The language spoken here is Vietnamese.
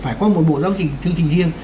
phải có một bộ giáo trình chương trình riêng